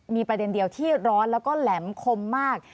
มีประเด็นเดียวที่ร้อนแล้วก็แหลมคมมาก